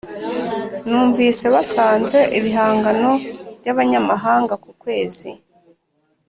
numvise basanze ibihangano byabanyamahanga ku kwezi